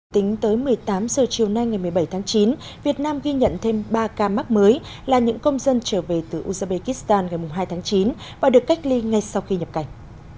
tính tới một mươi tám h chiều nay ngày một mươi bảy tháng chín việt nam ghi nhận thêm ba ca mắc mới là những công dân trở về từ uzbekistan ngày hai tháng chín và được cách ly ngay sau khi nhập cảnh